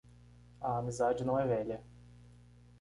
A amizade não é velha.